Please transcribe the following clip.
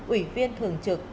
ủy viên thường trực